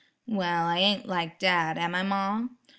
"Well, I ain't like dad, am I, ma?"